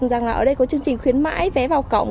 rằng là ở đây có chương trình khuyến mãi vé vào cổng